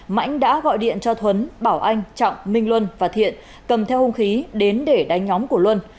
mãnh đã gọi điện cho thuấn bảo anh trọng minh luân và thiện cầm theo hung khí đến để đánh nhóm của luân